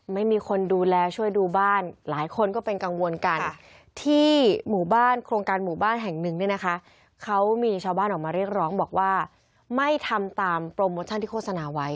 ไม่มีคนดูแลช่วยดูบ้านหลายคนก็เป็นกังวลกันที่หมู่บ้านโครงการหมู่บ้านแห่งหนึ่งเนี่ยนะคะเขามีชาวบ้านออกมาเรียกร้องบอกว่าไม่ทำตามโปรโมชั่นที่โฆษณาไว้